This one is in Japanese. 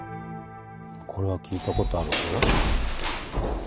これは聞いたことあるぞ。